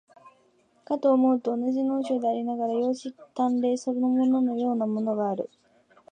かと思うと、同じ能書でありながら、容姿端麗そのもののようなものもある。